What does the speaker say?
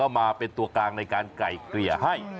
มาเป็นตัวกลางในการไก่เกลี่ยให้